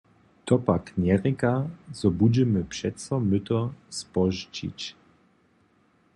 To pak njerěka, zo budźemy přeco myto spožčić.